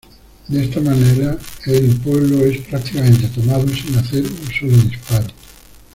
De esta manera el pueblo es prácticamente tomado sin hacer un solo disparo.